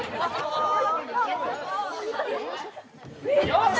よし！